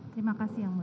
terima kasih yang mulia